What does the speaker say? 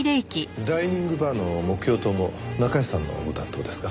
ダイニングバーの木曜島も中安さんのご担当ですか？